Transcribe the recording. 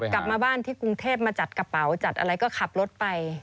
กลับมาบ้านที่กรุงเทพมาจัดกระเป๋าจัดอะไรก็ขับรถไป